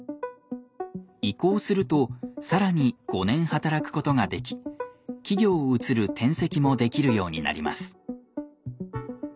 移行すると更に５年働くことができ企業を移る転籍もできるようになります。